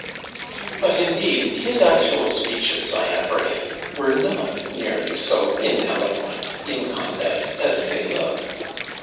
But indeed his actual Speeches, I apprehend, were not nearly so ineloquent, incondite, as they look.